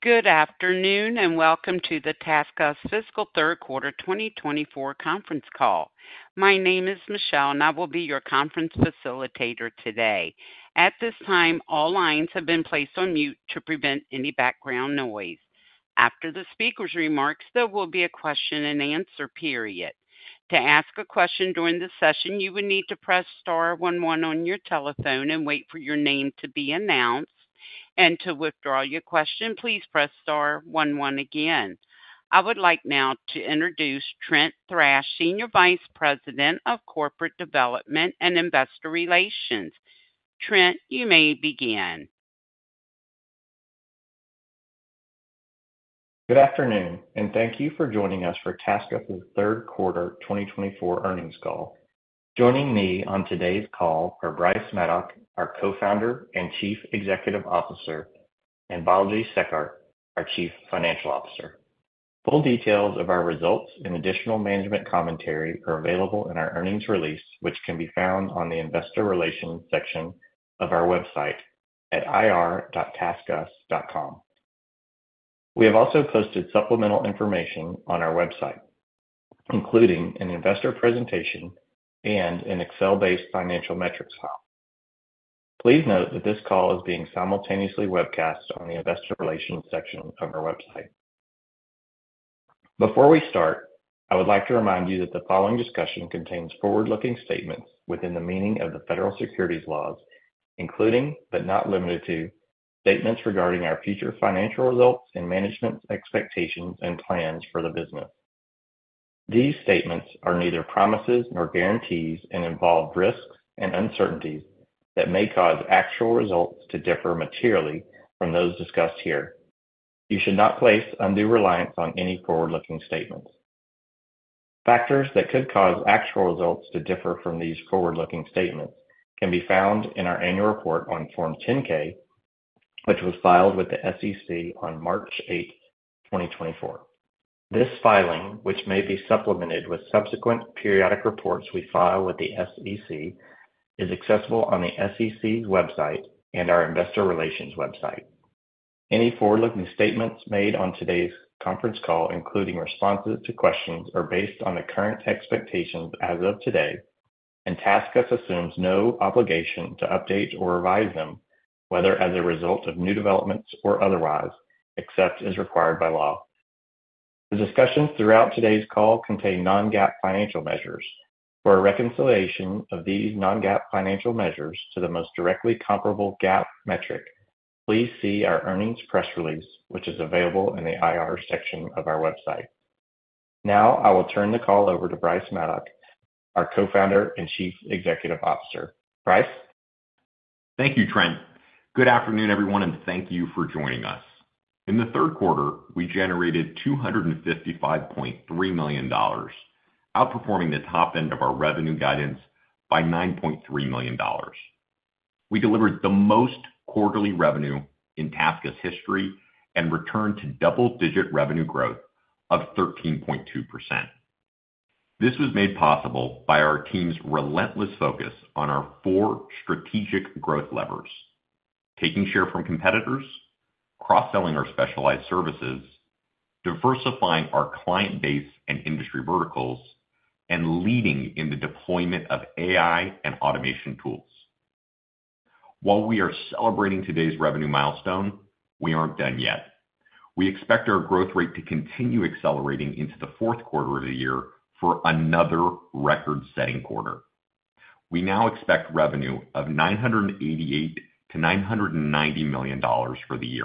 Good afternoon and welcome to the TaskUs Fiscal Third Quarter 2024 conference call. My name is Michelle, and I will be your conference facilitator today. At this time, all lines have been placed on mute to prevent any background noise. After the speaker's remarks, there will be a question-and-answer period. To ask a question during the session, you will need to press star one one on your telephone and wait for your name to be announced, and to withdraw your question, please press star one one again. I would like now to introduce Trent Thrash, Senior Vice President of Corporate Development and Investor Relations. Trent, you may begin. Good afternoon, and thank you for joining us for TaskUs' Third Quarter 2024 earnings call. Joining me on today's call are Bryce Maddock, our Co-Founder and Chief Executive Officer, and Balaji Sekar, our Chief Financial Officer. Full details of our results and additional management commentary are available in our earnings release, which can be found on the Investor Relations section of our website at ir.taskus.com. We have also posted supplemental information on our website, including an investor presentation and an Excel-based financial metrics file. Please note that this call is being simultaneously webcast on the Investor Relations section of our website. Before we start, I would like to remind you that the following discussion contains forward-looking statements within the meaning of the federal securities laws, including, but not limited to, statements regarding our future financial results and management's expectations and plans for the business. These statements are neither promises nor guarantees and involve risks and uncertainties that may cause actual results to differ materially from those discussed here. You should not place undue reliance on any forward-looking statements. Factors that could cause actual results to differ from these forward-looking statements can be found in our annual report on Form 10-K, which was filed with the SEC on March 8, 2024. This filing, which may be supplemented with subsequent periodic reports we file with the SEC, is accessible on the SEC's website and our Investor Relations website. Any forward-looking statements made on today's conference call, including responses to questions, are based on the current expectations as of today, and TaskUs assumes no obligation to update or revise them, whether as a result of new developments or otherwise, except as required by law. The discussions throughout today's call contain non-GAAP financial measures. For a reconciliation of these non-GAAP financial measures to the most directly comparable GAAP metric, please see our earnings press release, which is available in the IR section of our website. Now I will turn the call over to Bryce Maddock, our Co-Founder and Chief Executive Officer. Bryce? Thank you, Trent. Good afternoon, everyone, and thank you for joining us. In the third quarter, we generated $255.3 million, outperforming the top end of our revenue guidance by $9.3 million. We delivered the most quarterly revenue in TaskUs history and returned to double-digit revenue growth of 13.2%. This was made possible by our team's relentless focus on our four strategic growth levers: taking share from competitors, cross-selling our specialized services, diversifying our client base and industry verticals, and leading in the deployment of AI and automation tools. While we are celebrating today's revenue milestone, we aren't done yet. We expect our growth rate to continue accelerating into the fourth quarter of the year for another record-setting quarter. We now expect revenue of $988-$990 million for the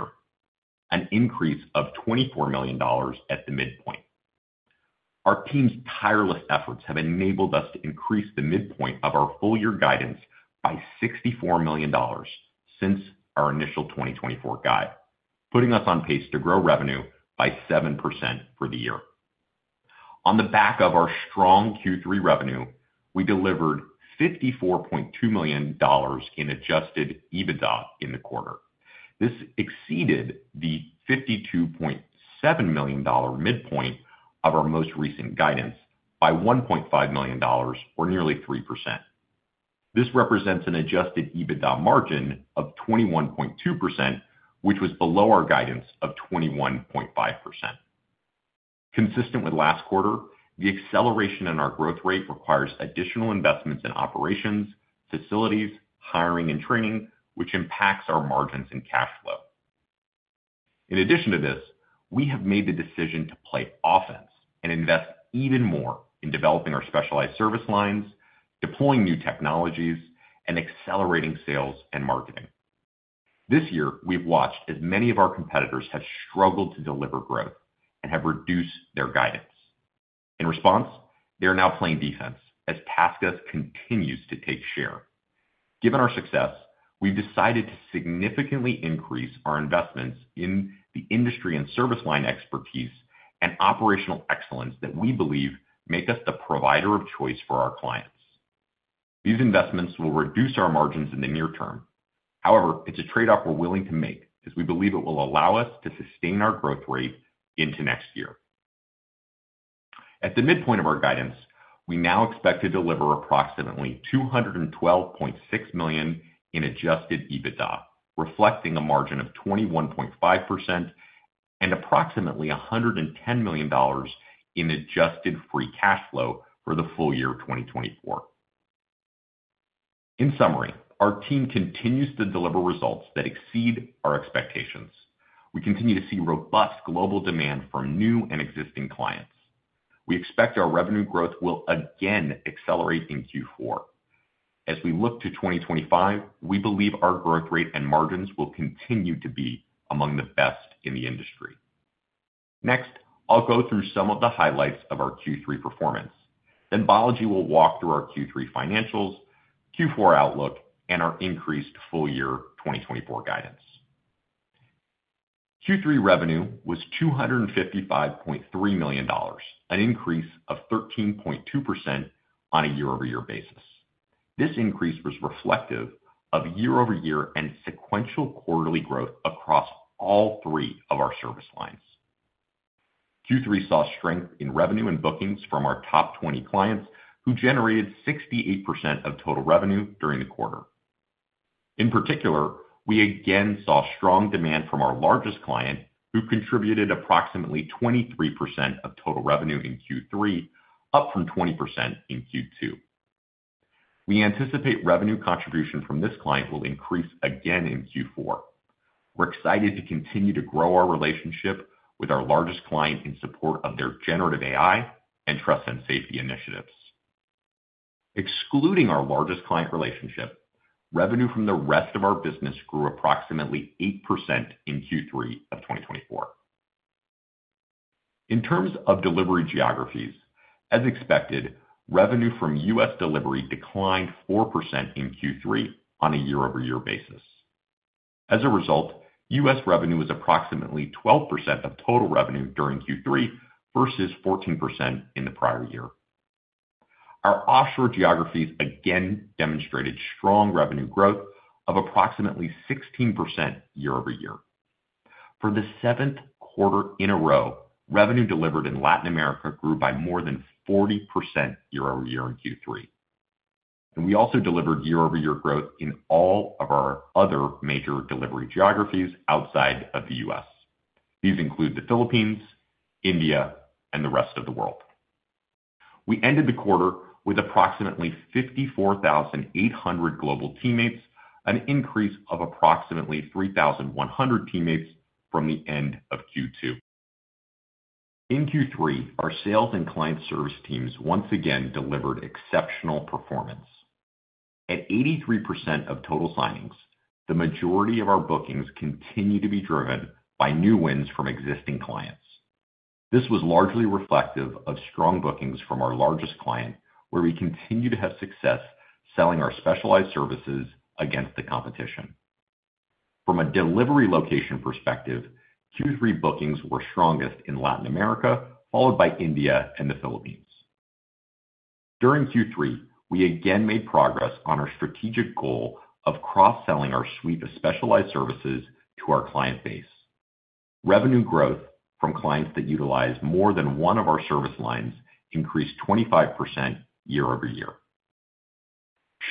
year, an increase of $24 million at the midpoint. Our team's tireless efforts have enabled us to increase the midpoint of our full-year guidance by $64 million since our initial 2024 guide, putting us on pace to grow revenue by 7% for the year. On the back of our strong Q3 revenue, we delivered $54.2 million in Adjusted EBITDA in the quarter. This exceeded the $52.7 million midpoint of our most recent guidance by $1.5 million, or nearly 3%. This represents an Adjusted EBITDA margin of 21.2%, which was below our guidance of 21.5%. Consistent with last quarter, the acceleration in our growth rate requires additional investments in operations, facilities, hiring, and training, which impacts our margins and cash flow. In addition to this, we have made the decision to play offense and invest even more in developing our specialized service lines, deploying new technologies, and accelerating sales and marketing. This year, we've watched as many of our competitors have struggled to deliver growth and have reduced their guidance. In response, they are now playing defense as TaskUs continues to take share. Given our success, we've decided to significantly increase our investments in the industry and service line expertise and operational excellence that we believe make us the provider of choice for our clients. These investments will reduce our margins in the near term. However, it's a trade-off we're willing to make as we believe it will allow us to sustain our growth rate into next year. At the midpoint of our guidance, we now expect to deliver approximately $212.6 million in Adjusted EBITDA, reflecting a margin of 21.5% and approximately $110 million in Adjusted Free Cash Flow for the full year of 2024. In summary, our team continues to deliver results that exceed our expectations. We continue to see robust global demand from new and existing clients. We expect our revenue growth will again accelerate in Q4. As we look to 2025, we believe our growth rate and margins will continue to be among the best in the industry. Next, I'll go through some of the highlights of our Q3 performance. Then Balaji will walk through our Q3 financials, Q4 outlook, and our increased full-year 2024 guidance. Q3 revenue was $255.3 million, an increase of 13.2% on a year-over-year basis. This increase was reflective of year-over-year and sequential quarterly growth across all three of our service lines. Q3 saw strength in revenue and bookings from our top 20 clients, who generated 68% of total revenue during the quarter. In particular, we again saw strong demand from our largest client, who contributed approximately 23% of total revenue in Q3, up from 20% in Q2. We anticipate revenue contribution from this client will increase again in Q4. We're excited to continue to grow our relationship with our largest client in support of their generative AI and Trust and Safety initiatives. Excluding our largest client relationship, revenue from the rest of our business grew approximately 8% in Q3 of 2024. In terms of delivery geographies, as expected, revenue from U.S. delivery declined 4% in Q3 on a year-over-year basis. As a result, U.S. revenue was approximately 12% of total revenue during Q3 versus 14% in the prior year. Our offshore geographies again demonstrated strong revenue growth of approximately 16% year-over-year. For the seventh quarter in a row, revenue delivered in Latin America grew by more than 40% year-over-year in Q3. And we also delivered year-over-year growth in all of our other major delivery geographies outside of the U.S. These include the Philippines, India, and the rest of the world. We ended the quarter with approximately 54,800 global teammates, an increase of approximately 3,100 teammates from the end of Q2. In Q3, our sales and client service teams once again delivered exceptional performance. At 83% of total signings, the majority of our bookings continue to be driven by new wins from existing clients. This was largely reflective of strong bookings from our largest client, where we continue to have success selling our specialized services against the competition. From a delivery location perspective, Q3 bookings were strongest in Latin America, followed by India and the Philippines. During Q3, we again made progress on our strategic goal of cross-selling our suite of specialized services to our client base. Revenue growth from clients that utilize more than one of our service lines increased 25% year-over-year.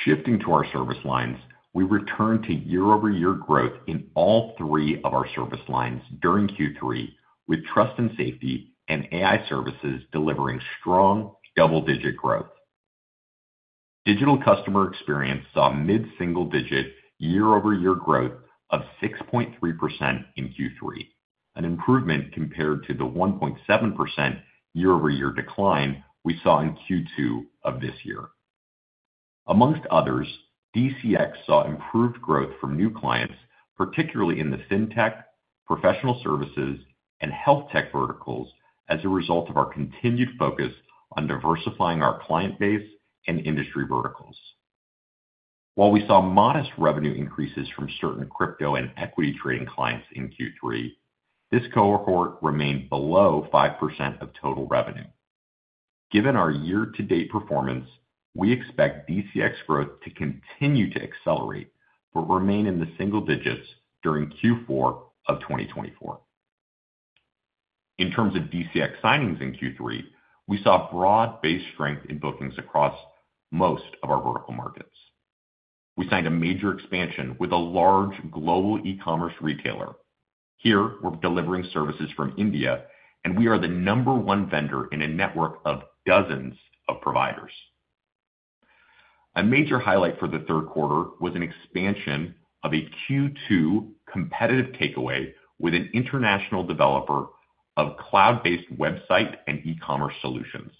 Shifting to our service lines, we returned to year-over-year growth in all three of our service lines during Q3, with Trust and Safety and AI Services delivering strong double-digit growth. Digital Customer Experience saw mid-single-digit year-over-year growth of 6.3% in Q3, an improvement compared to the 1.7% year-over-year decline we saw in Q2 of this year. Among others, DCX saw improved growth from new clients, particularly in the fintech, professional services, and health tech verticals, as a result of our continued focus on diversifying our client base and industry verticals. While we saw modest revenue increases from certain crypto and equity trading clients in Q3, this cohort remained below 5% of total revenue. Given our year-to-date performance, we expect DCX growth to continue to accelerate but remain in the single digits during Q4 of 2024. In terms of DCX signings in Q3, we saw broad base strength in bookings across most of our vertical markets. We signed a major expansion with a large global e-commerce retailer. Here, we're delivering services from India, and we are the number one vendor in a network of dozens of providers. A major highlight for the third quarter was an expansion of a Q2 competitive takeaway with an international developer of cloud-based website and e-commerce solutions.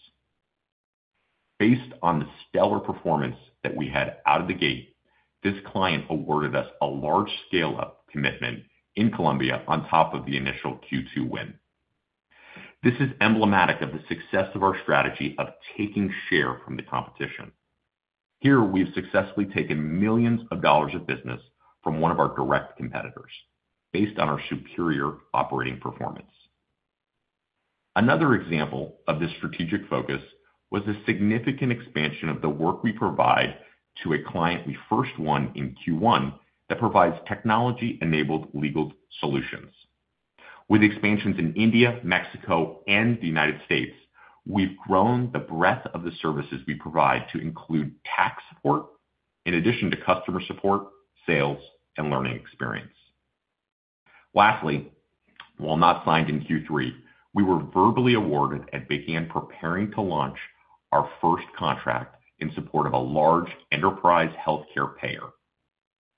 Based on the stellar performance that we had out of the gate, this client awarded us a large scale-up commitment in Colombia on top of the initial Q2 win. This is emblematic of the success of our strategy of taking share from the competition. Here, we've successfully taken millions of dollars of business from one of our direct competitors based on our superior operating performance. Another example of this strategic focus was a significant expansion of the work we provide to a client we first won in Q1 that provides technology-enabled legal solutions. With expansions in India, Mexico, and the United States, we've grown the breadth of the services we provide to include tax support in addition to customer support, sales, and learning experience. Lastly, while not signed in Q3, we were verbally awarded a beacon preparing to launch our first contract in support of a large enterprise healthcare payer.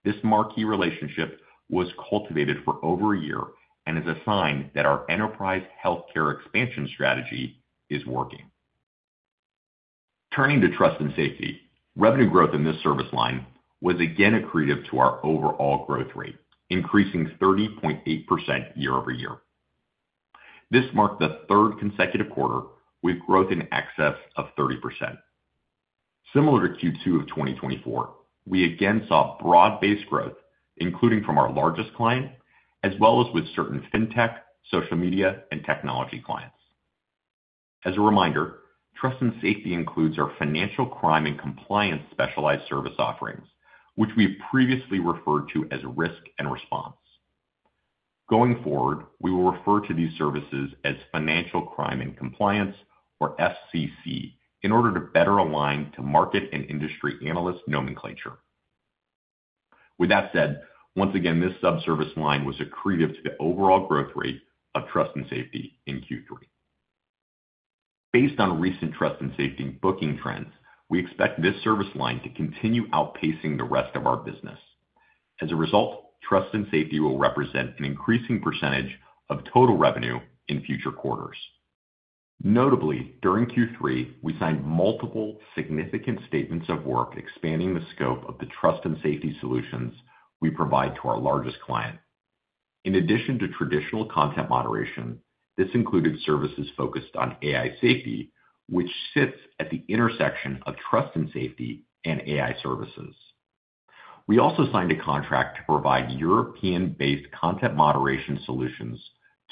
This marquee relationship was cultivated for over a year and is a sign that our enterprise healthcare expansion strategy is working. Turning to Trust and Safety, revenue growth in this service line was again accretive to our overall growth rate, increasing 30.8% year-over-year. This marked the third consecutive quarter with growth in excess of 30%. Similar to Q2 of 2024, we again saw broad base growth, including from our largest client, as well as with certain fintech, social media, and technology clients. As a reminder, Trust and Safety includes our financial crime and compliance specialized service offerings, which we've previously referred to as Risk and Response. Going forward, we will refer to these services as financial crime and compliance, or FCC, in order to better align to market and industry analyst nomenclature. With that said, once again, this sub-service line was accretive to the overall growth rate of Trust and Safety in Q3. Based on recent Trust and Safety booking trends, we expect this service line to continue outpacing the rest of our business. As a result, Trust and Safety will represent an increasing percentage of total revenue in future quarters. Notably, during Q3, we signed multiple significant statements of work expanding the scope of the Trust and Safety solutions we provide to our largest client. In addition to traditional content moderation, this included services focused on AI safety, which sits at the intersection of Trust and Safety and AI Services. We also signed a contract to provide European-based content moderation solutions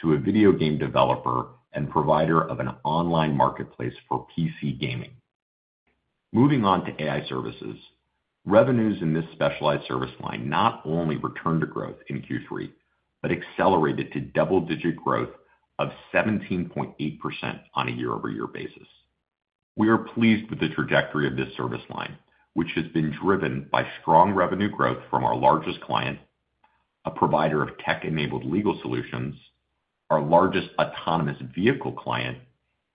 to a video game developer and provider of an online marketplace for PC gaming. Moving on to AI Services, revenues in this specialized service line not only returned to growth in Q3, but accelerated to double-digit growth of 17.8% on a year-over-year basis. We are pleased with the trajectory of this service line, which has been driven by strong revenue growth from our largest client, a provider of tech-enabled legal solutions, our largest autonomous vehicle client,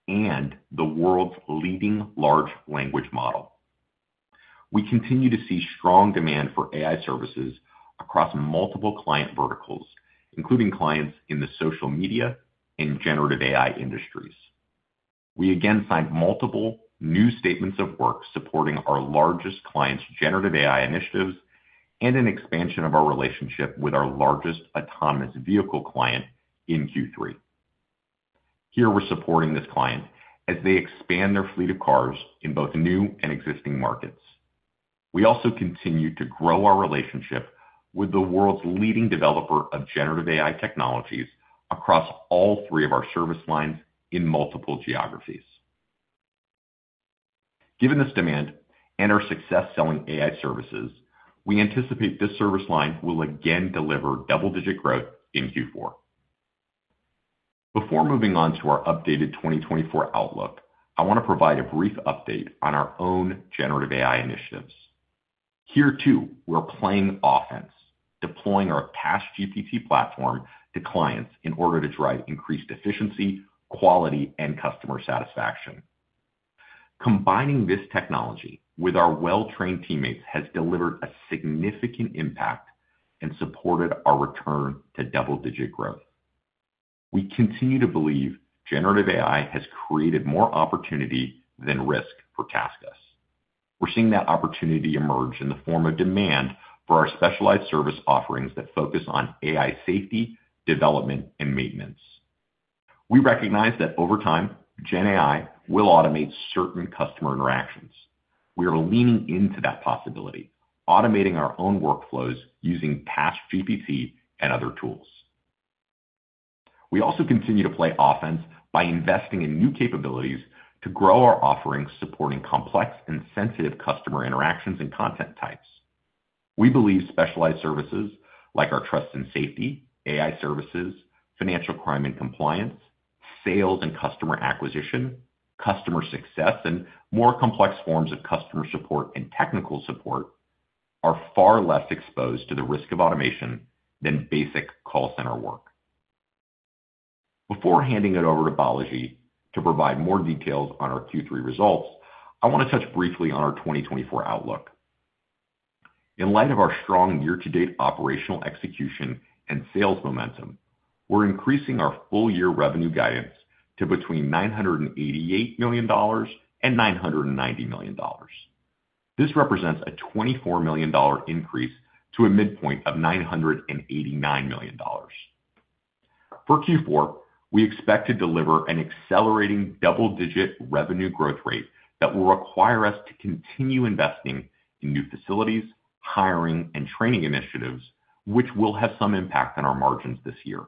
and the world's leading large language model. We continue to see strong demand for AI services across multiple client verticals, including clients in the social media and generative AI industries. We again signed multiple new statements of work supporting our largest client's generative AI initiatives and an expansion of our relationship with our largest autonomous vehicle client in Q3. Here, we're supporting this client as they expand their fleet of cars in both new and existing markets. We also continue to grow our relationship with the world's leading developer of generative AI technologies across all three of our service lines in multiple geographies. Given this demand and our success selling AI services, we anticipate this service line will again deliver double-digit growth in Q4. Before moving on to our updated 2024 outlook, I want to provide a brief update on our own generative AI initiatives. Here, too, we're playing offense, deploying our TaskGPT platform to clients in order to drive increased efficiency, quality, and customer satisfaction. Combining this technology with our well-trained teammates has delivered a significant impact and supported our return to double-digit growth. We continue to believe generative AI has created more opportunity than risk for TaskUs. We're seeing that opportunity emerge in the form of demand for our specialized service offerings that focus on AI safety, development, and maintenance. We recognize that over time, GenAI will automate certain customer interactions. We are leaning into that possibility, automating our own workflows using TaskGPT and other tools. We also continue to play offense by investing in new capabilities to grow our offerings, supporting complex and sensitive customer interactions and content types. We believe specialized services like our Trust and Safety, AI services, Financial Crime and Compliance, sales and customer acquisition, customer success, and more complex forms of customer support and technical support are far less exposed to the risk of automation than basic call center work. Before handing it over to Balaji to provide more details on our Q3 results, I want to touch briefly on our 2024 outlook. In light of our strong year-to-date operational execution and sales momentum, we're increasing our full-year revenue guidance to between $988 million and $990 million. This represents a $24 million increase to a midpoint of $989 million. For Q4, we expect to deliver an accelerating double-digit revenue growth rate that will require us to continue investing in new facilities, hiring, and training initiatives, which will have some impact on our margins this year.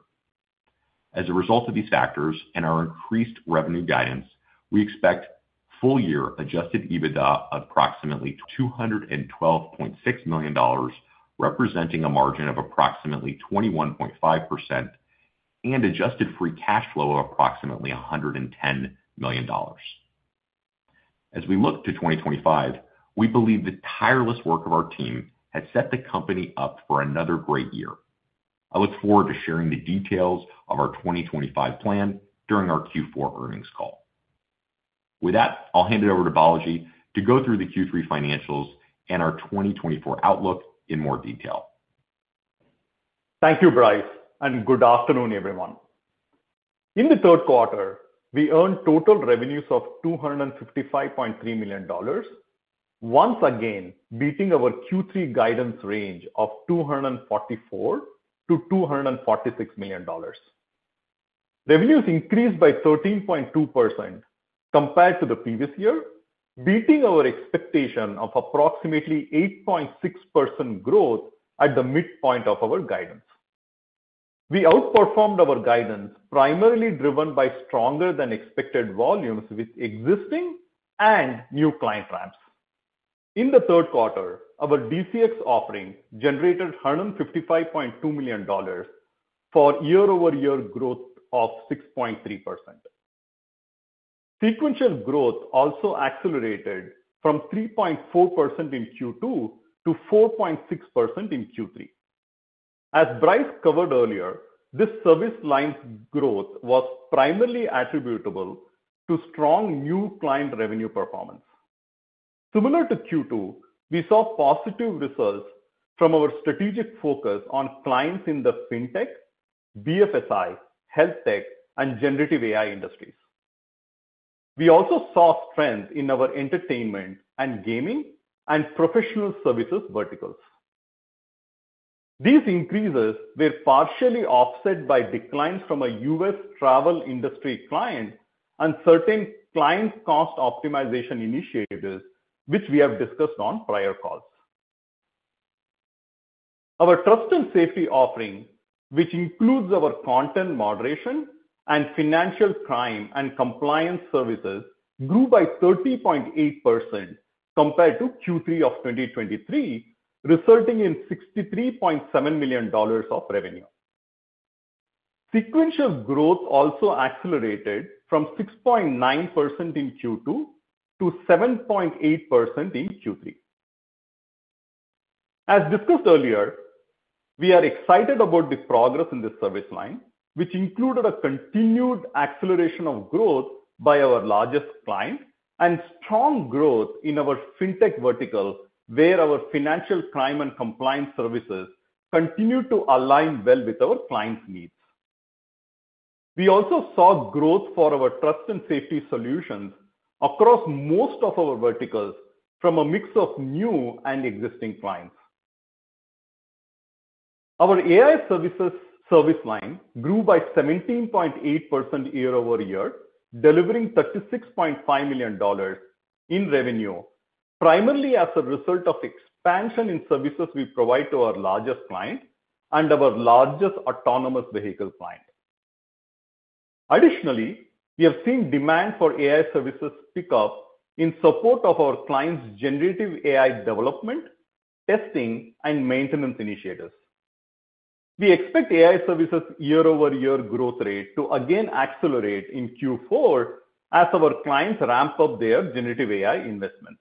As a result of these factors and our increased revenue guidance, we expect full-year adjusted EBITDA of approximately $212.6 million, representing a margin of approximately 21.5%, and adjusted free cash flow of approximately $110 million. As we look to 2025, we believe the tireless work of our team has set the company up for another great year. I look forward to sharing the details of our 2025 plan during our Q4 earnings call. With that, I'll hand it over to Balaji to go through the Q3 financials and our 2024 outlook in more detail. Thank you, Bryce, and good afternoon, everyone. In the third quarter, we earned total revenues of $255.3 million, once again beating our Q3 guidance range of $244-$246 million. Revenues increased by 13.2% compared to the previous year, beating our expectation of approximately 8.6% growth at the midpoint of our guidance. We outperformed our guidance, primarily driven by stronger-than-expected volumes with existing and new client trials. In the third quarter, our DCX offering generated $155.2 million for year-over-year growth of 6.3%. Sequential growth also accelerated from 3.4% in Q2 to 4.6% in Q3. As Bryce covered earlier, this service line's growth was primarily attributable to strong new client revenue performance. Similar to Q2, we saw positive results from our strategic focus on clients in the fintech, BFSI, health tech, and generative AI industries. We also saw strength in our entertainment and gaming and professional services verticals. These increases were partially offset by declines from a U.S. travel industry client and certain client cost optimization initiatives, which we have discussed on prior calls. Our Trust and Safety offering, which includes our content moderation and Financial Crime and Compliance services, grew by 30.8% compared to Q3 of 2023, resulting in $63.7 million of revenue. Sequential growth also accelerated from 6.9% in Q2 to 7.8% in Q3. As discussed earlier, we are excited about the progress in this service line, which included a continued acceleration of growth by our largest client and strong growth in our fintech vertical, where our Financial Crime and Compliance services continue to align well with our clients' needs. We also saw growth for our Trust and Safety solutions across most of our verticals from a mix of new and existing clients. Our AI Services service line grew by 17.8% year-over-year, delivering $36.5 million in revenue, primarily as a result of expansion in services we provide to our largest client and our largest autonomous vehicle client. Additionally, we have seen demand for AI services pick up in support of our clients' generative AI development, testing, and maintenance initiatives. We expect AI services' year-over-year growth rate to again accelerate in Q4 as our clients ramp up their generative AI investments.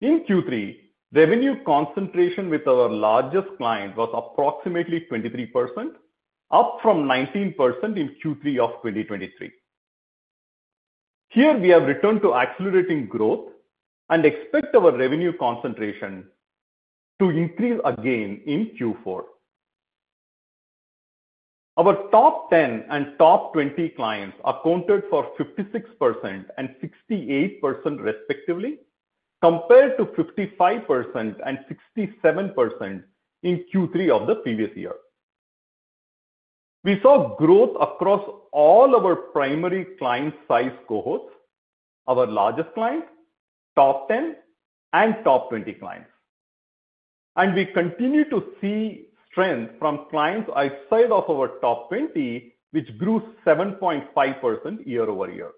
In Q3, revenue concentration with our largest client was approximately 23%, up from 19% in Q3 of 2023. Here, we have returned to accelerating growth and expect our revenue concentration to increase again in Q4. Our top 10 and top 20 clients accounted for 56% and 68%, respectively, compared to 55% and 67% in Q3 of the previous year. We saw growth across all our primary client-size cohorts, our largest client, top 10, and top 20 clients. And we continue to see strength from clients outside of our top 20, which grew 7.5% year-over-year.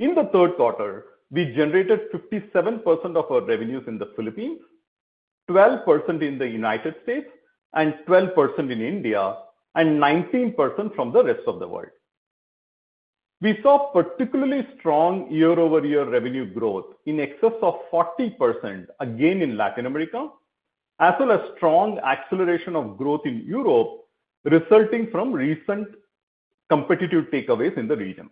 In the third quarter, we generated 57% of our revenues in the Philippines, 12% in the United States, and 12% in India, and 19% from the rest of the world. We saw particularly strong year-over-year revenue growth in excess of 40% again in Latin America, as well as strong acceleration of growth in Europe, resulting from recent competitive takeaways in the region.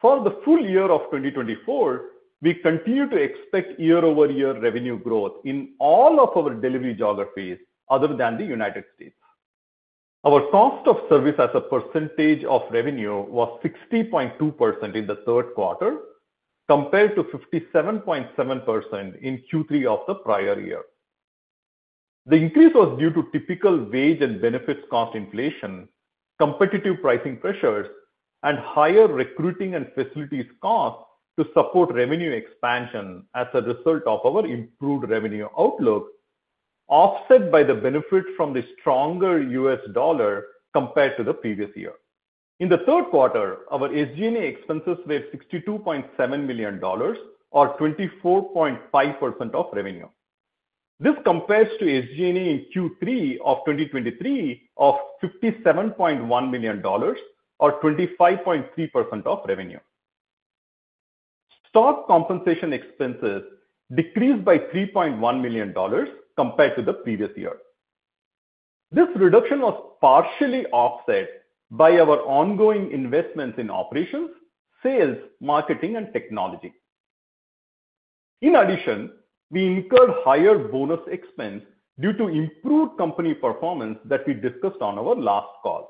For the full year of 2024, we continue to expect year-over-year revenue growth in all of our delivery geographies other than the United States. Our cost of service as a percentage of revenue was 60.2% in the third quarter, compared to 57.7% in Q3 of the prior year. The increase was due to typical wage and benefits cost inflation, competitive pricing pressures, and higher recruiting and facilities costs to support revenue expansion as a result of our improved revenue outlook, offset by the benefit from the stronger US dollar compared to the previous year. In the third quarter, our SG&A expenses were $62.7 million, or 24.5% of revenue. This compares to SG&A in Q3 of 2023 of $57.1 million, or 25.3% of revenue. Stock compensation expenses decreased by $3.1 million compared to the previous year. This reduction was partially offset by our ongoing investments in operations, sales, marketing, and technology. In addition, we incurred higher bonus expense due to improved company performance that we discussed on our last call.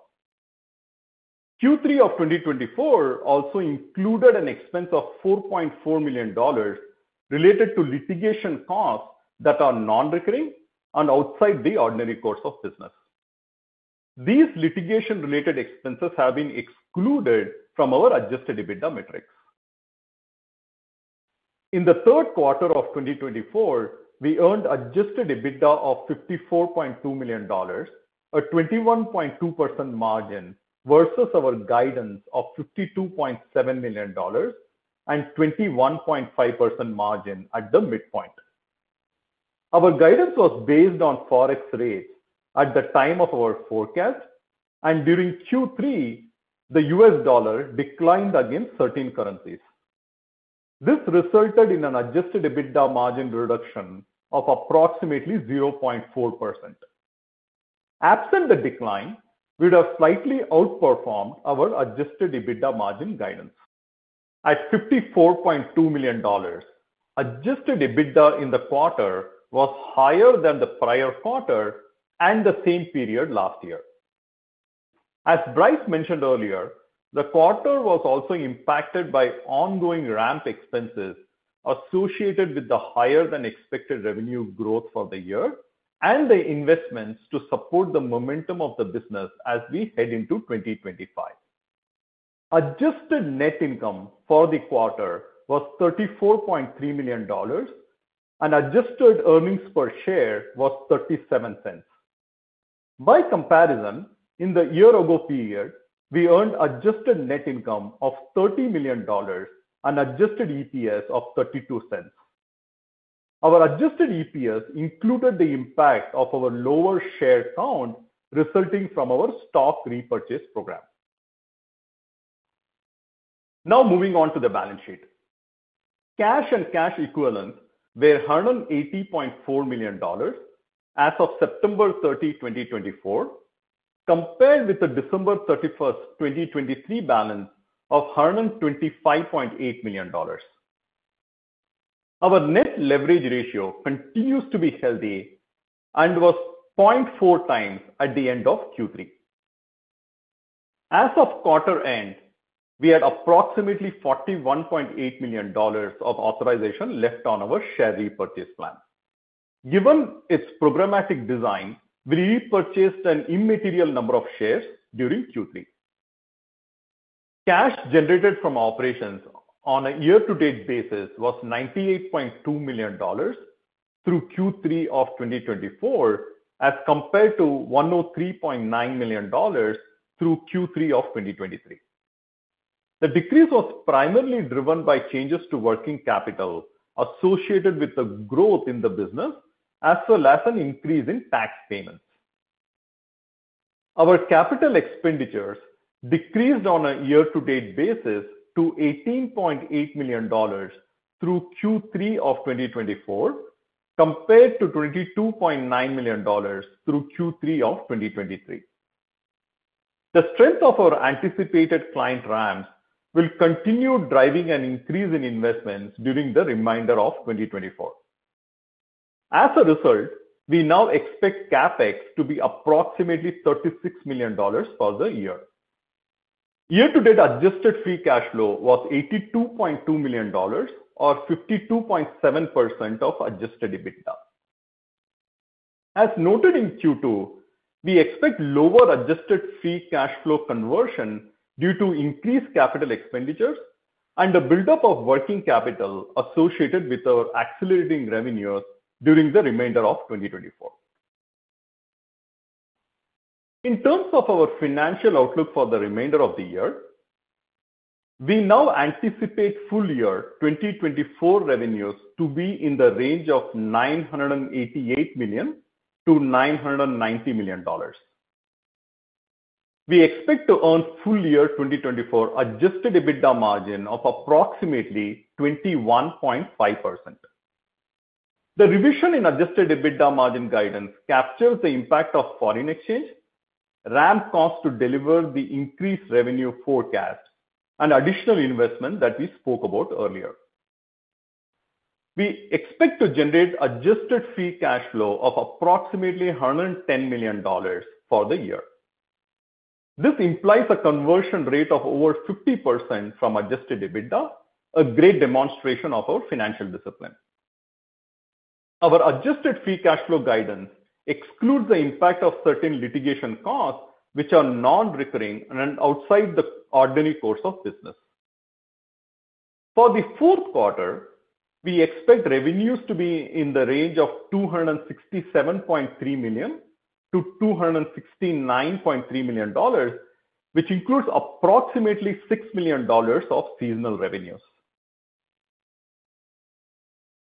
Q3 of 2024 also included an expense of $4.4 million related to litigation costs that are non-recurring and outside the ordinary course of business. These litigation-related expenses have been excluded from our adjusted EBITDA metrics. In the third quarter of 2024, we earned adjusted EBITDA of $54.2 million, a 21.2% margin versus our guidance of $52.7 million and 21.5% margin at the midpoint. Our guidance was based on Forex rates at the time of our forecast, and during Q3, the U.S. dollar declined against certain currencies. This resulted in an adjusted EBITDA margin reduction of approximately 0.4%. Absent the decline, we would have slightly outperformed our adjusted EBITDA margin guidance. At $54.2 million, adjusted EBITDA in the quarter was higher than the prior quarter and the same period last year. As Bryce mentioned earlier, the quarter was also impacted by ongoing ramp expenses associated with the higher-than-expected revenue growth for the year and the investments to support the momentum of the business as we head into 2025. Adjusted net income for the quarter was $34.3 million, and adjusted earnings per share was $0.37. By comparison, in the year-ago period, we earned adjusted net income of $30 million and adjusted EPS of $0.32. Our adjusted EPS included the impact of our lower share count resulting from our stock repurchase program. Now moving on to the balance sheet. Cash and cash equivalents were $180.4 million as of September 30, 2024, compared with the December 31, 2023, balance of $125.8 million. Our net leverage ratio continues to be healthy and was 0.4 times at the end of Q3. As of quarter end, we had approximately $41.8 million of authorization left on our share repurchase plan. Given its programmatic design, we repurchased an immaterial number of shares during Q3. Cash generated from operations on a year-to-date basis was $98.2 million through Q3 of 2024, as compared to $103.9 million through Q3 of 2023. The decrease was primarily driven by changes to working capital associated with the growth in the business, as well as an increase in tax payments. Our capital expenditures decreased on a year-to-date basis to $18.8 million through Q3 of 2024, compared to $22.9 million through Q3 of 2023. The strength of our anticipated client ramps will continue driving an increase in investments during the remainder of 2024. As a result, we now expect CapEx to be approximately $36 million for the year. Year-to-date adjusted free cash flow was $82.2 million, or 52.7% of adjusted EBITDA. As noted in Q2, we expect lower adjusted free cash flow conversion due to increased capital expenditures and the buildup of working capital associated with our accelerating revenues during the remainder of 2024. In terms of our financial outlook for the remainder of the year, we now anticipate full year 2024 revenues to be in the range of $988 million–$990 million. We expect to earn full year 2024 adjusted EBITDA margin of approximately 21.5%. The revision in adjusted EBITDA margin guidance captures the impact of foreign exchange, ramp costs to deliver the increased revenue forecast, and additional investment that we spoke about earlier. We expect to generate adjusted free cash flow of approximately $110 million for the year. This implies a conversion rate of over 50% from adjusted EBITDA, a great demonstration of our financial discipline. Our adjusted free cash flow guidance excludes the impact of certain litigation costs, which are non-recurring and outside the ordinary course of business. For the fourth quarter, we expect revenues to be in the range of $267.3-$269.3 million, which includes approximately $6 million of seasonal revenues.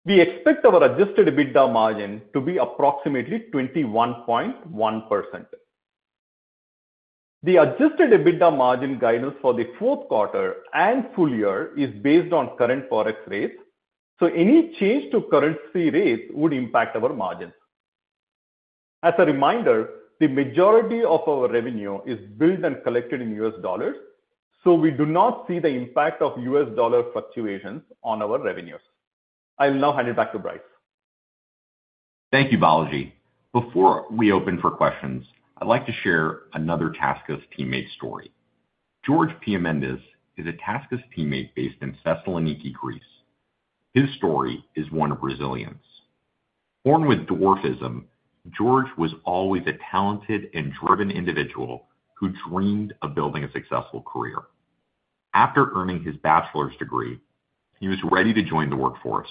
We expect our adjusted EBITDA margin to be approximately 21.1%. The adjusted EBITDA margin guidance for the fourth quarter and full year is based on current Forex rates, so any change to currency rates would impact our margins. As a reminder, the majority of our revenue is billed and collected in US dollars, so we do not see the impact of US dollar fluctuations on our revenues. I'll now hand it back to Bryce. Thank you, Balaji. Before we open for questions, I'd like to share another TaskUs teammate story. George Piamemidis is a TaskUs teammate based in Thessaloniki, Greece. His story is one of resilience. Born with dwarfism, George was always a talented and driven individual who dreamed of building a successful career. After earning his bachelor's degree, he was ready to join the workforce.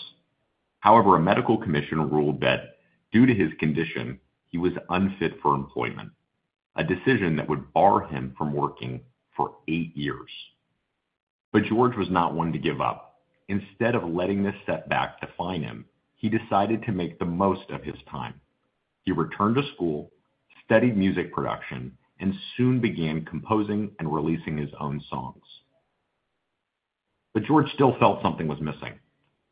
However, a medical commission ruled that due to his condition, he was unfit for employment, a decision that would bar him from working for eight years. But George was not one to give up. Instead of letting this setback define him, he decided to make the most of his time. He returned to school, studied music production, and soon began composing and releasing his own songs. But George still felt something was missing.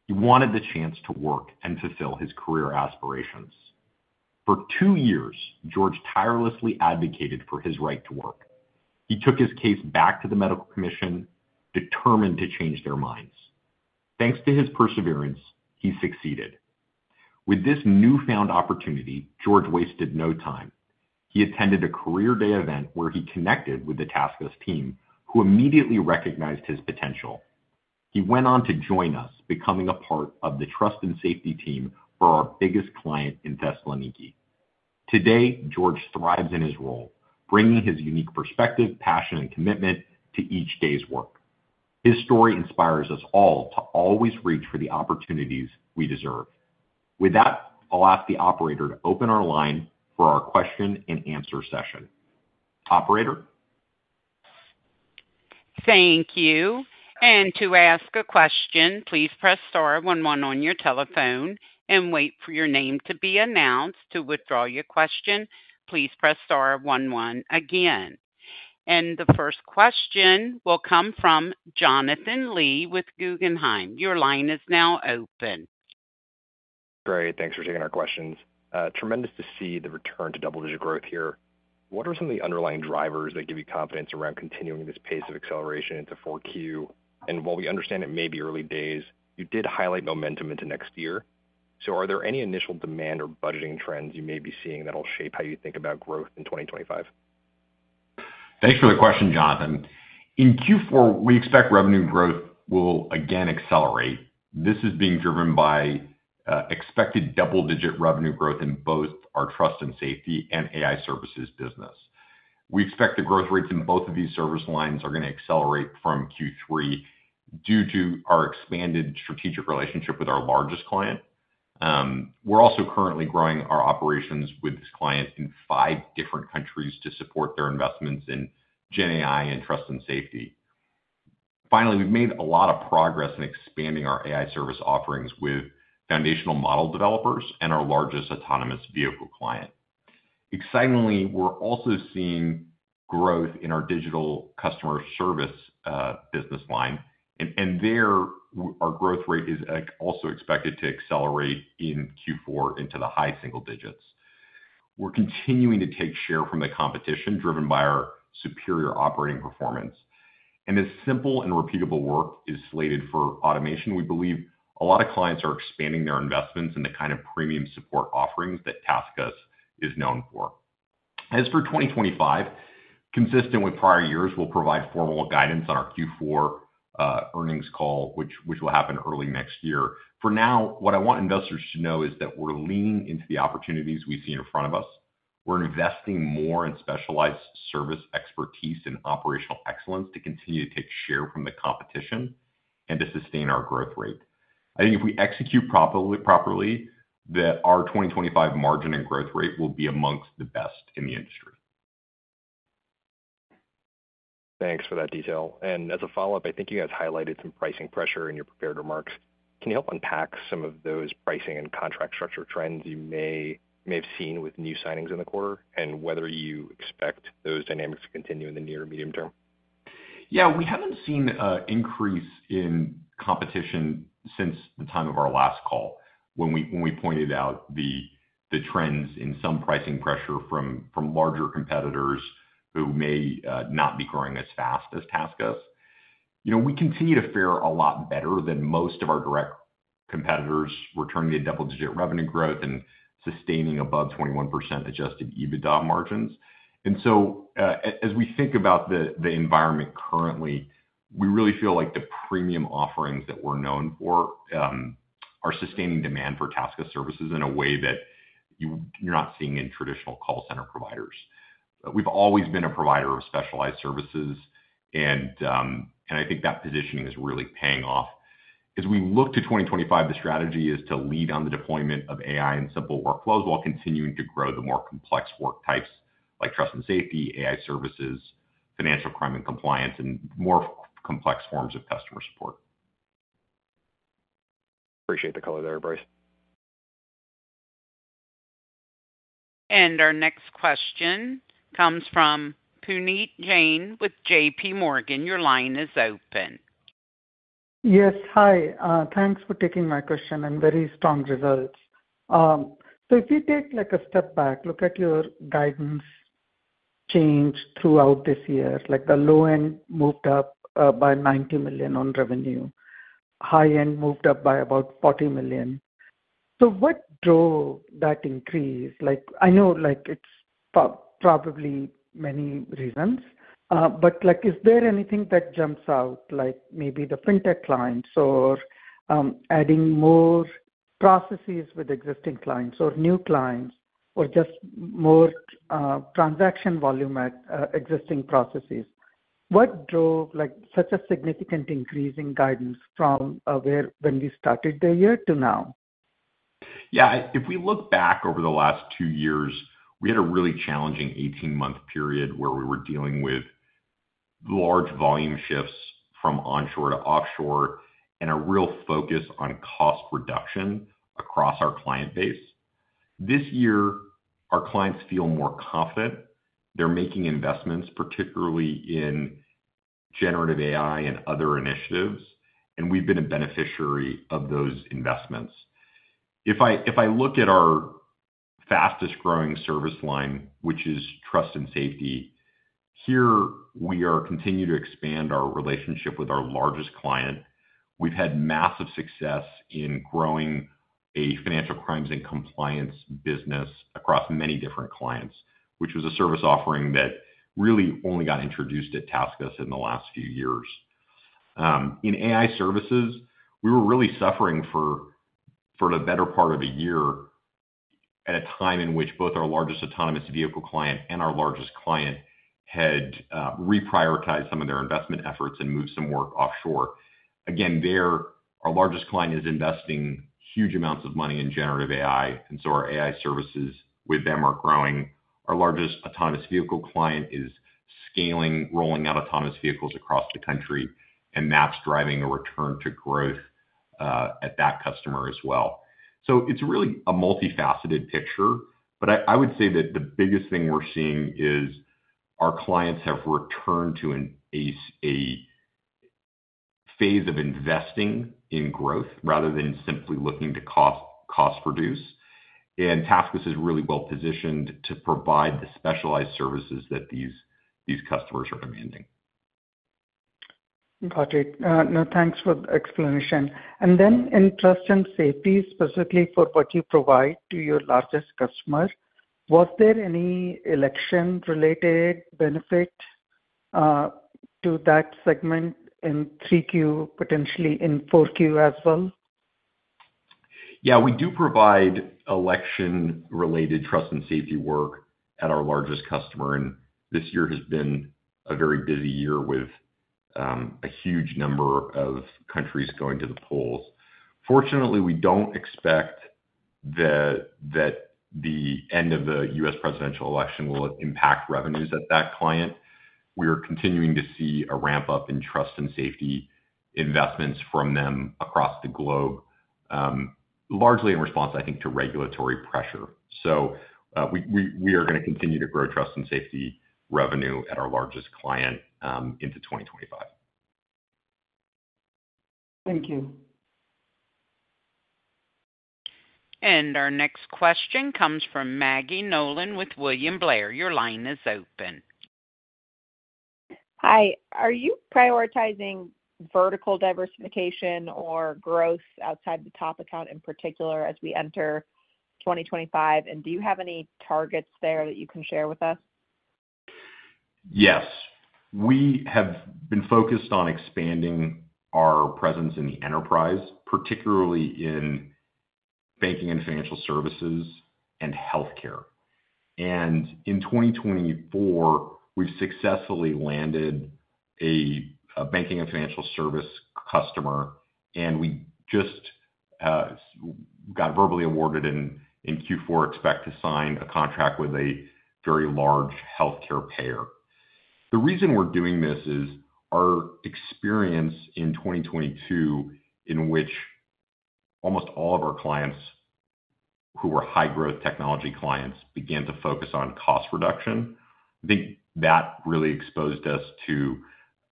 He wanted the chance to work and fulfill his career aspirations. For two years, George tirelessly advocated for his right to work. He took his case back to the medical commission, determined to change their minds. Thanks to his perseverance, he succeeded. With this newfound opportunity, George wasted no time. He attended a career day event where he connected with the TaskUs team, who immediately recognized his potential. He went on to join us, becoming a part of the Trust and Safety team for our biggest client in Thessaloniki. Today, George thrives in his role, bringing his unique perspective, passion, and commitment to each day's work. His story inspires us all to always reach for the opportunities we deserve. With that, I'll ask the operator to open our line for our question and answer session. Operator? Thank you. And to ask a question, please press star one one on your telephone and wait for your name to be announced. To withdraw your question, please press star one one again. And the first question will come from Jonathan Lee with Guggenheim. Your line is now open. Great. Thanks for taking our questions. Tremendous to see the return to double-digit growth here. What are some of the underlying drivers that give you confidence around continuing this pace of acceleration into 4Q? And while we understand it may be early days, you did highlight momentum into next year. So are there any initial demand or budgeting trends you may be seeing that will shape how you think about growth in 2025? Thanks for the question, Jonathan. In Q4, we expect revenue growth will again accelerate. This is being driven by expected double-digit revenue growth in both our trust and safety and AI services business. We expect the growth rates in both of these service lines are going to accelerate from Q3 due to our expanded strategic relationship with our largest client. We're also currently growing our operations with this client in five different countries to support their investments in GenAI and Trust and Safety. Finally, we've made a lot of progress in expanding our AI service offerings with foundational model developers and our largest autonomous vehicle client. Excitingly, we're also seeing growth in our digital customer service business line, and there, our growth rate is also expected to accelerate in Q4 into the high single digits. We're continuing to take share from the competition driven by our superior operating performance, and as simple and repeatable work is slated for automation, we believe a lot of clients are expanding their investments in the kind of premium support offerings that TaskUs is known for. As for 2025, consistent with prior years, we'll provide formal guidance on our Q4 earnings call, which will happen early next year. For now, what I want investors to know is that we're leaning into the opportunities we see in front of us. We're investing more in specialized service expertise and operational excellence to continue to take share from the competition and to sustain our growth rate. I think if we execute properly, that our 2025 margin and growth rate will be amongst the best in the industry. Thanks for that detail. And as a follow-up, I think you guys highlighted some pricing pressure in your prepared remarks. Can you help unpack some of those pricing and contract structure trends you may have seen with new signings in the quarter and whether you expect those dynamics to continue in the near or medium term? Yeah, we haven't seen an increase in competition since the time of our last call when we pointed out the trends in some pricing pressure from larger competitors who may not be growing as fast as TaskUs. We continue to fare a lot better than most of our direct competitors, returning to double-digit revenue growth and sustaining above 21% adjusted EBITDA margins, and so as we think about the environment currently, we really feel like the premium offerings that we're known for are sustaining demand for TaskUs services in a way that you're not seeing in traditional call center providers. We've always been a provider of specialized services, and I think that positioning is really paying off. As we look to 2025, the strategy is to lead on the deployment of AI and simple workflows while continuing to grow the more complex work types like trust and safety, AI services, financial crime and compliance, and more complex forms of customer support. Appreciate the color there, Bryce. And our next question comes from Puneet Jain with J.P. Morgan. Your line is open. Yes, hi. Thanks for taking my question and very strong results. So if you take a step back, look at your guidance change throughout this year. The low end moved up by $90 million on revenue. High end moved up by about $40 million. So what drove that increase? I know it's probably many reasons, but is there anything that jumps out, like maybe the fintech clients or adding more processes with existing clients or new clients or just more transaction volume at existing processes? What drove such a significant increase in guidance from when we started the year to now? Yeah, if we look back over the last two years, we had a really challenging 18-month period where we were dealing with large volume shifts from onshore to offshore and a real focus on cost reduction across our client base. This year, our clients feel more confident. They're making investments, particularly in Generative AI and other initiatives, and we've been a beneficiary of those investments. If I look at our fastest growing service line, which is Trust and Safety, here we are continuing to expand our relationship with our largest client. We've had massive success in growing a Financial Crime and Compliance business across many different clients, which was a service offering that really only got introduced at TaskUs in the last few years. In AI services, we were really suffering for the better part of a year at a time in which both our largest autonomous vehicle client and our largest client had reprioritized some of their investment efforts and moved some work offshore. Again, there, our largest client is investing huge amounts of money in generative AI, and so our AI services with them are growing. Our largest autonomous vehicle client is scaling, rolling out autonomous vehicles across the country, and that's driving a return to growth at that customer as well. So it's really a multifaceted picture, but I would say that the biggest thing we're seeing is our clients have returned to a phase of investing in growth rather than simply looking to cost reduce. TaskUs is really well positioned to provide the specialized services that these customers are demanding. Got it. No, thanks for the explanation. Then in trust and safety, specifically for what you provide to your largest customer, was there any election-related benefit to that segment in 3Q, potentially in 4Q as well? Yeah, we do provide election-related trust and safety work at our largest customer, and this year has been a very busy year with a huge number of countries going to the polls. Fortunately, we don't expect that the end of the U.S. presidential election will impact revenues at that client. We are continuing to see a ramp-up in trust and safety investments from them across the globe, largely in response, I think, to regulatory pressure. We are going to continue to grow trust and safety revenue at our largest client into 2025. Thank you. Our next question comes from Maggie Nolan with William Blair. Your line is open. Hi. Are you prioritizing vertical diversification or growth outside the top account in particular as we enter 2025, and do you have any targets there that you can share with us? Yes. We have been focused on expanding our presence in the enterprise, particularly in banking and financial services and healthcare and in 2024, we've successfully landed a banking and financial service customer, and we just got verbally awarded in Q4, expect to sign a contract with a very large healthcare payer. The reason we're doing this is our experience in 2022, in which almost all of our clients who were high-growth technology clients began to focus on cost reduction, I think that really exposed us to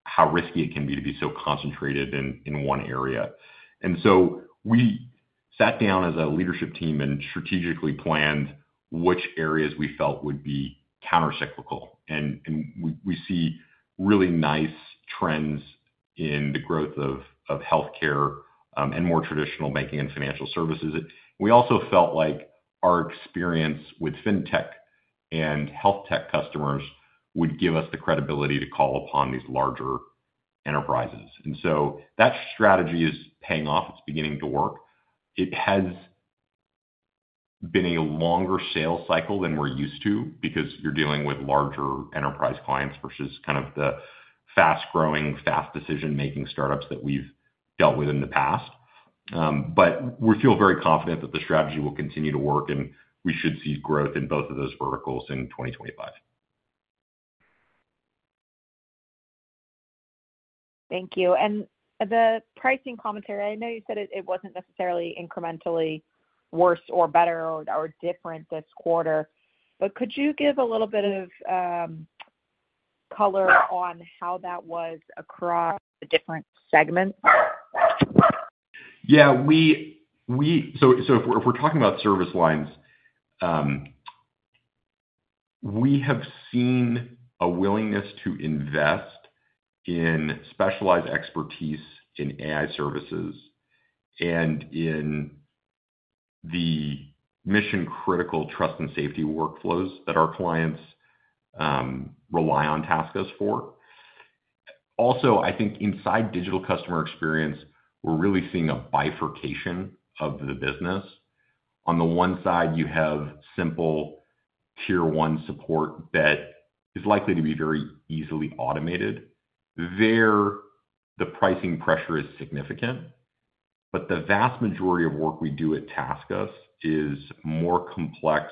how risky it can be to be so concentrated in one area, and so we sat down as a leadership team and strategically planned which areas we felt would be countercyclical. We see really nice trends in the growth of healthcare and more traditional banking and financial services. We also felt like our experience with fintech and health tech customers would give us the credibility to call upon these larger enterprises. That strategy is paying off. It's beginning to work. It has been a longer sales cycle than we're used to because you're dealing with larger enterprise clients versus kind of the fast-growing, fast-decision-making startups that we've dealt with in the past. We feel very confident that the strategy will continue to work, and we should see growth in both of those verticals in 2025. Thank you. The pricing commentary, I know you said it wasn't necessarily incrementally worse or better or different this quarter, but could you give a little bit of color on how that was across the different segments? Yeah. So if we're talking about service lines, we have seen a willingness to invest in specialized expertise in AI services and in the mission-critical trust and safety workflows that our clients rely on TaskUs for. Also, I think inside digital customer experience, we're really seeing a bifurcation of the business. On the one side, you have simple tier-one support that is likely to be very easily automated. There, the pricing pressure is significant, but the vast majority of work we do at TaskUs is more complex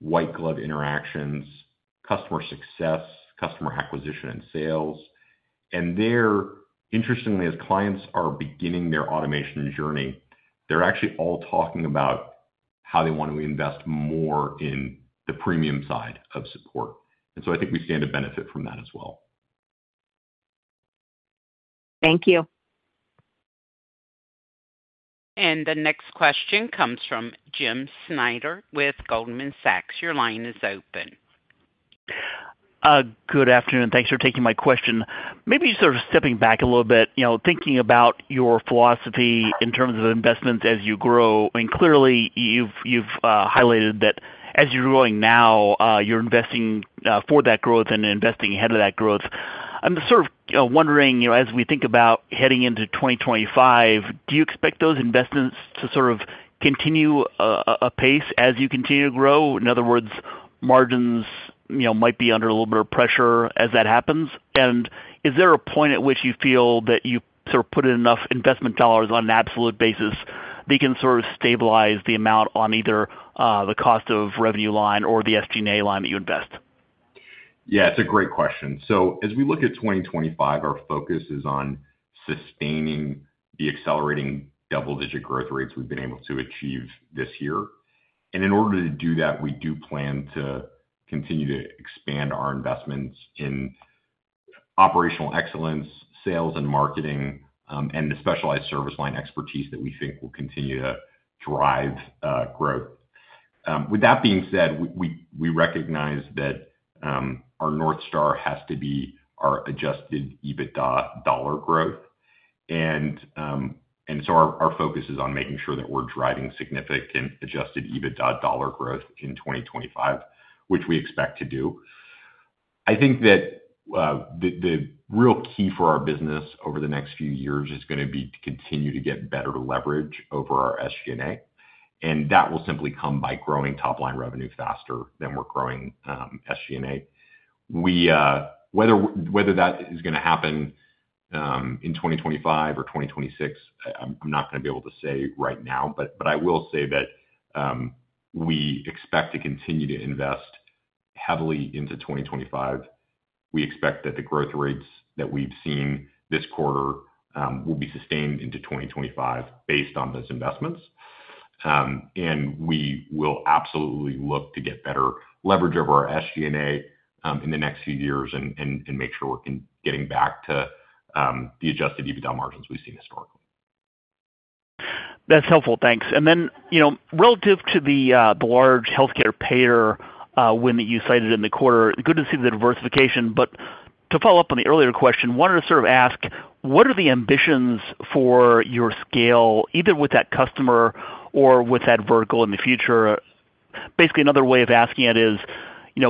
white-glove interactions, customer success, customer acquisition, and sales. And there, interestingly, as clients are beginning their automation journey, they're actually all talking about how they want to invest more in the premium side of support. And so I think we stand to benefit from that as well. Thank you. And the next question comes from James Schneider with Goldman Sachs. Your line is open. Good afternoon. Thanks for taking my question. Maybe sort of stepping back a little bit, thinking about your philosophy in terms of investments as you grow. I mean, clearly, you've highlighted that as you're growing now, you're investing for that growth and investing ahead of that growth. I'm sort of wondering, as we think about heading into 2025, do you expect those investments to sort of continue a pace as you continue to grow? In other words, margins might be under a little bit of pressure as that happens. And is there a point at which you feel that you sort of put in enough investment dollars on an absolute basis that you can sort of stabilize the amount on either the cost of revenue line or the SG&A line that you invest? Yeah, it's a great question. So as we look at 2025, our focus is on sustaining the accelerating double-digit growth rates we've been able to achieve this year. And in order to do that, we do plan to continue to expand our investments in operational excellence, sales and marketing, and the specialized service line expertise that we think will continue to drive growth. With that being said, we recognize that our North Star has to be our Adjusted EBITDA dollar growth. And so our focus is on making sure that we're driving significant Adjusted EBITDA dollar growth in 2025, which we expect to do. I think that the real key for our business over the next few years is going to be to continue to get better leverage over our SG&A. And that will simply come by growing top-line revenue faster than we're growing SG&A. Whether that is going to happen in 2025 or 2026, I'm not going to be able to say right now, but I will say that we expect to continue to invest heavily into 2025. We expect that the growth rates that we've seen this quarter will be sustained into 2025 based on those investments. And we will absolutely look to get better leverage over our SG&A in the next few years and make sure we're getting back to the Adjusted EBITDA margins we've seen historically. That's helpful. Thanks. And then relative to the large healthcare payer win that you cited in the quarter, good to see the diversification. But to follow up on the earlier question, wanted to sort of ask, what are the ambitions for your scale, either with that customer or with that vertical in the future? Basically, another way of asking it is,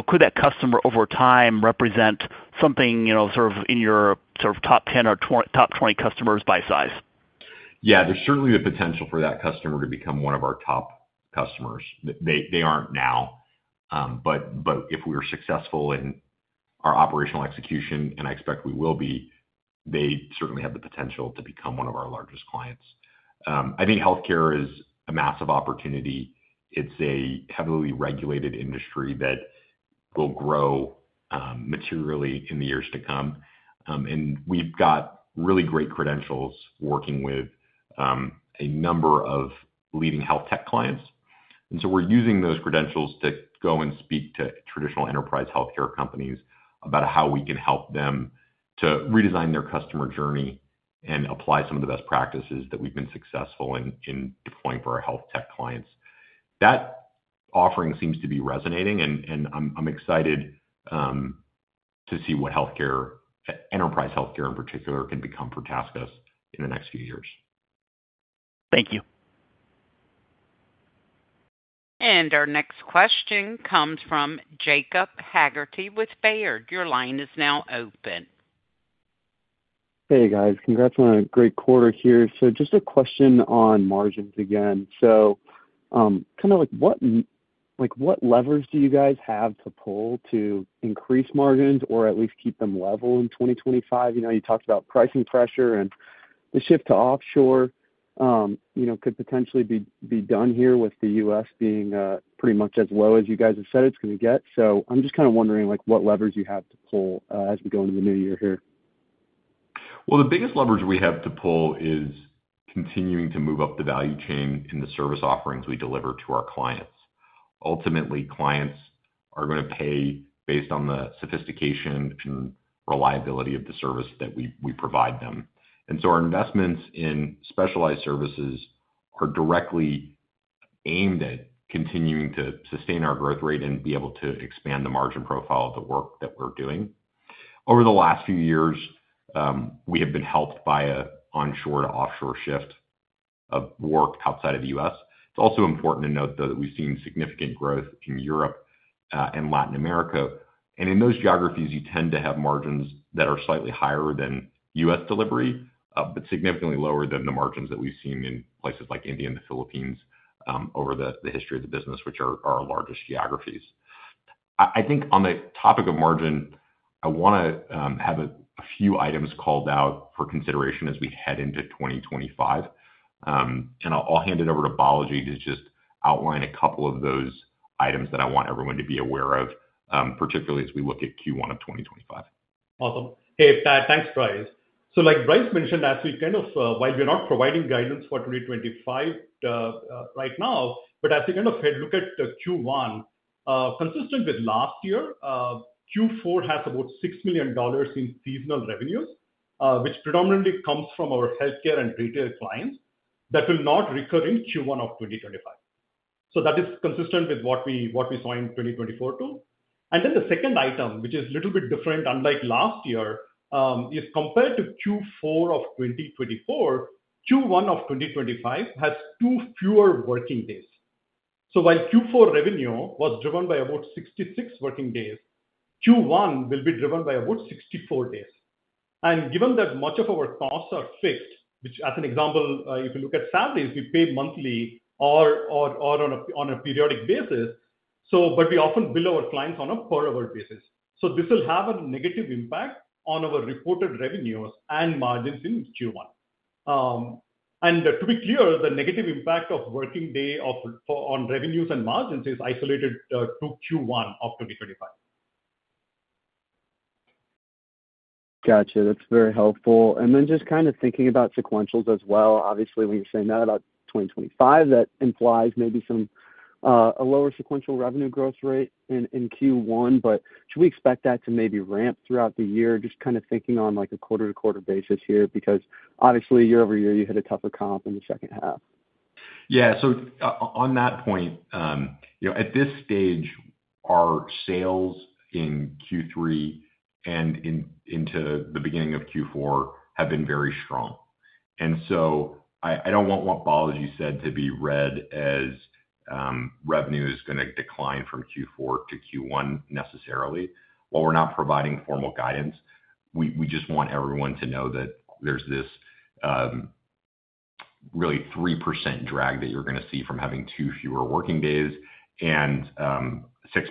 could that customer over time represent something sort of in your top 10 or top 20 customers by size? Yeah, there's certainly the potential for that customer to become one of our top customers. They aren't now, but if we are successful in our operational execution, and I expect we will be, they certainly have the potential to become one of our largest clients. I think healthcare is a massive opportunity. It's a heavily regulated industry that will grow materially in the years to come. And we've got really great credentials working with a number of leading health tech clients. And so we're using those credentials to go and speak to traditional enterprise healthcare companies about how we can help them to redesign their customer journey and apply some of the best practices that we've been successful in deploying for our health tech clients. That offering seems to be resonating, and I'm excited to see what healthcare enterprise healthcare in particular can become for TaskUs in the next few years. Thank you. And our next question comes from Jacob Haggerty with Baird. Your line is now open. Hey, guys. Congrats on a great quarter here. So just a question on margins again. So kind of what levers do you guys have to pull to increase margins or at least keep them level in 2025? You talked about pricing pressure, and the shift to offshore could potentially be done here with the U.S. being pretty much as low as you guys have said it's going to get. So I'm just kind of wondering what levers you have to pull as we go into the new year here. Well, the biggest levers we have to pull is continuing to move up the value chain in the service offerings we deliver to our clients. Ultimately, clients are going to pay based on the sophistication and reliability of the service that we provide them. And so our investments in specialized services are directly aimed at continuing to sustain our growth rate and be able to expand the margin profile of the work that we're doing. Over the last few years, we have been helped by an onshore to offshore shift of work outside of the U.S. It's also important to note, though, that we've seen significant growth in Europe and Latin America. And in those geographies, you tend to have margins that are slightly higher than U.S. delivery, but significantly lower than the margins that we've seen in places like India and the Philippines over the history of the business, which are our largest geographies. I think on the topic of margin, I want to have a few items called out for consideration as we head into 2025. And I'll hand it over to Balaji to just outline a couple of those items that I want everyone to be aware of, particularly as we look at Q1 of 2025. Awesome. Hey, thanks, Bryce. Like Bryce mentioned, as we kind of while we're not providing guidance for 2025 right now, but as we kind of look at Q1, consistent with last year, Q4 has about $6 million in seasonal revenues, which predominantly comes from our healthcare and retail clients that will not recur in Q1 of 2025. That is consistent with what we saw in 2024 too. The second item, which is a little bit different, unlike last year, is compared to Q4 of 2024, Q1 of 2025 has two fewer working days. While Q4 revenue was driven by about 66 working days, Q1 will be driven by about 64 days. Given that much of our costs are fixed, which as an example, if you look at salaries, we pay monthly or on a periodic basis, but we often bill our clients on a per-hour basis. So this will have a negative impact on our reported revenues and margins in Q1, and to be clear, the negative impact of working day on revenues and margins is isolated to Q1 of 2025. Gotcha, that's very helpful, and then just kind of thinking about sequentials as well. Obviously, when you're saying that about 2025, that implies maybe a lower sequential revenue growth rate in Q1, but should we expect that to maybe ramp throughout the year? Just kind of thinking on a quarter-to-quarter basis here because obviously, year-over-year, you hit a tougher comp in the second half. Yeah, so on that point, at this stage, our sales in Q3 and into the beginning of Q4 have been very strong, and so I don't want what Balaji said to be read as revenue is going to decline from Q4–Q1 necessarily. While we're not providing formal guidance, we just want everyone to know that there's this really 3% drag that you're going to see from having two fewer working days and $6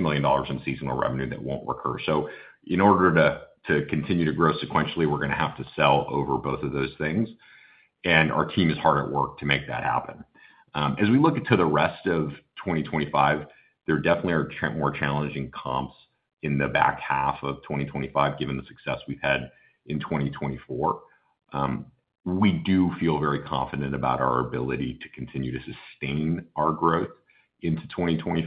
million in seasonal revenue that won't recur. So in order to continue to grow sequentially, we're going to have to sell over both of those things. And our team is hard at work to make that happen. As we look into the rest of 2025, there definitely are more challenging comps in the back half of 2025, given the success we've had in 2024. We do feel very confident about our ability to continue to sustain our growth into 2024.